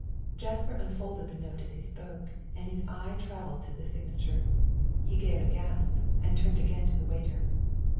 Jasper unfolded the note as he spoke, and his eye travelled to the signature. He gave a gasp and turned again to the waiter.